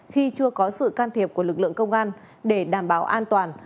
khi chưa có sự can thiệp của lực lượng công an để đảm bảo an toàn